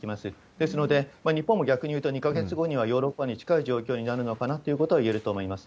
ですので、日本も逆に言うと、２か月後にはヨーロッパに近い状況になるのかなっていうことは言えると思います。